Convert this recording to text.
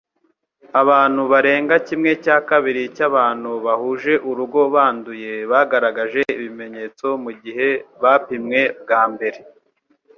Abantu barenga kimwe cya kabiri cyabantu bahuje urugo banduye bagaragaje ibimenyetso mugihe bapimye bwa mbere